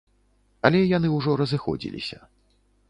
Але яны ўжо разыходзіліся.